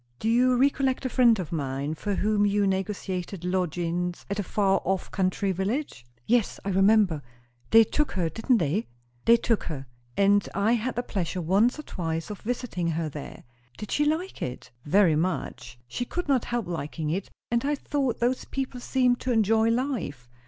Do you recollect a friend of mine, for whom you negotiated lodgings at a far off country village?" "Yes, I remember. They took her, didn't they?" "They took her. And I had the pleasure once or twice of visiting her there." "Did she like it?" "Very much. She could not help liking it. And I thought those people seemed to enjoy life.